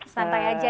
santai aja ya